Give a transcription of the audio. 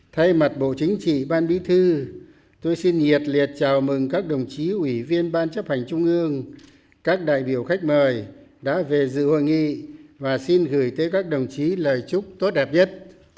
thay mặt bộ chính trị ban bí thư tôi xin nhiệt liệt chào mừng các đồng chí ủy viên ban chấp hành trung ương các đại biểu khách mời đã về dự hội nghị và xin gửi tới các đồng chí lời chúc tốt đẹp nhất